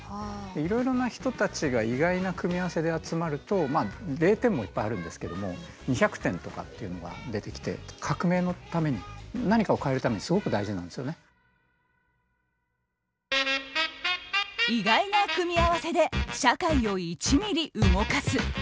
いろいろな人たちが意外な組み合わせで集まると０点もいっぱいあるんですけども２００点とかっていうのが出てきて「意外な組み合わせで社会を１ミリ動かす」。